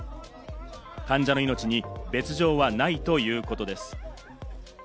患者の命に別状はないということです。